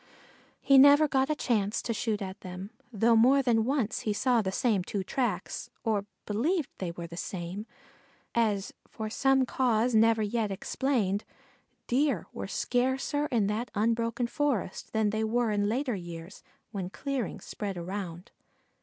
He never again got a chance to shoot at them, though more than once he saw the same two tracks, or believed they were the same, as for some cause never yet explained, Deer were scarcer in that unbroken forest than they were in later years when clearings spread around.